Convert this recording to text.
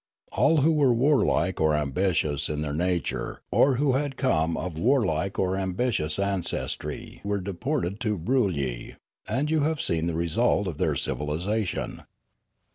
All who were warlike or ambitious in their nature or who had come of warlike or ambitious ancestry were deported to Broolyi ; and you hav^e seen the result of their civilisation.